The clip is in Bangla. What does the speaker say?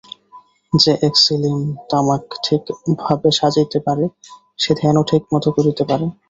যে এক ছিলিম তামাক ঠিকভাবে সাজিতে পারে, সে ধ্যানও ঠিকমত করিতে পারে।